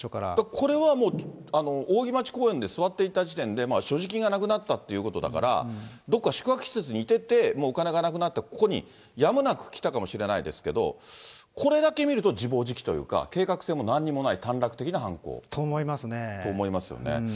これはもう、扇町公園で座っていた時点で、所持金がなくなったってことだから、どっか宿泊施設にいてて、もうお金がなくなってここにやむなく来たかもしれないですけど、これだけ見ると自暴自棄というか、計画性もなんにもない、と思いますね。と思いますよね。